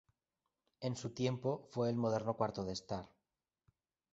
En su tiempo fue el moderno cuarto de estar.